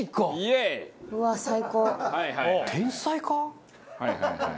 はいはいはいはい。